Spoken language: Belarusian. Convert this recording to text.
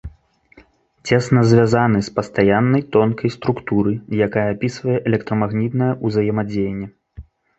Цесна звязаны з пастаяннай тонкай структуры, якая апісвае электрамагнітнае ўзаемадзеянне.